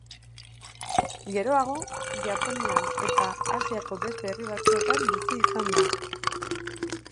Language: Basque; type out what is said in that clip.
Geroago Japonian eta Asiako beste herri batzuetan bizi izan da.